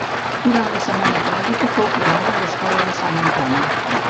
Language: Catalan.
Durant la Setmana Tràgica fou cremada l'escola de Sant Antoni.